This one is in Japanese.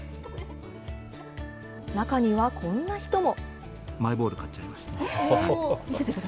中にはこんな人も。